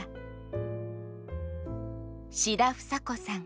志田房子さん